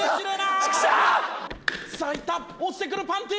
落ちてくるパンティ！